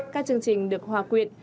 các chương trình được hòa quyện